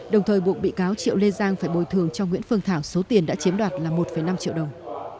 đồng thời buộc bị cáo triệu lê giang phải bồi thường cho nguyễn phương thảo số tiền đã chiếm đoạt là một năm triệu đồng